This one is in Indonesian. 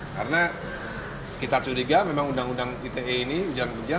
karena kita curiga memang undang undang ite ini ujaran kebencian